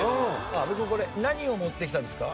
阿部君これ何を持ってきたんですか？